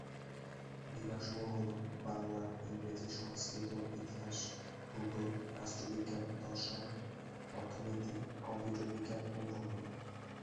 বিভাগসমূহ হল- বাংলা, ইংরেজি, সংস্কৃত, ইতিহাস, ভূগোল, রাষ্ট্রবিজ্ঞান, দর্শন, অর্থনীতি, কম্পিউটার বিজ্ঞান, ও ভূগোল।